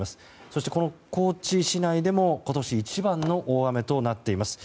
そして、高知市内でも今年一番の大雨となっています。